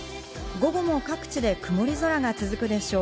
午後も各地で曇り空が続くでしょう。